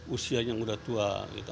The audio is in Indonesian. usianya udah tua